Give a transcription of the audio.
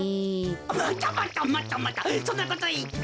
またまたまたまたそんなこといって。